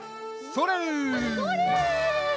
それ！